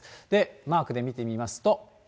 マークで見てみますと。